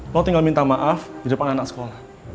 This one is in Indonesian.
lo tinggal minta maaf di depan anak sekolah